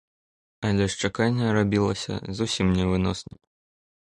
Але ж чаканне рабілася зусім невыносным.